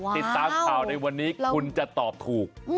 ติดตามข่าวในวันนี้คุณจะตอบถูก